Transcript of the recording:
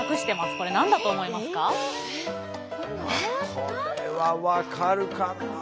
これは分かるかなあ。